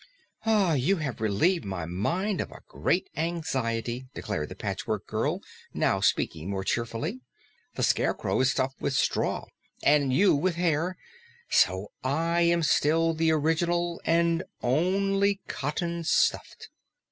"You have relieved my mind of a great anxiety," declared the Patchwork Girl, now speaking more cheerfully. "The Scarecrow is stuffed with straw and you with hair, so I am still the Original and Only Cotton Stuffed!"